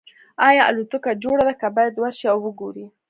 ایا الوتکه جوړه ده که باید ورشئ او وګورئ